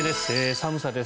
寒さです。